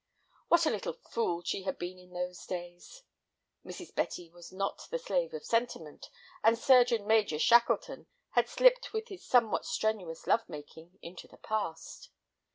What a little fool she had been in those days! Mrs. Betty was not the slave of sentiment, and Surgeon Major Shackleton had slipped with his somewhat strenuous love making into the past.